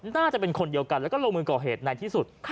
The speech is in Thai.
น่าจะเป็นคนเดียวกันแล้วก็ลงมือก่อเหตุในที่สุด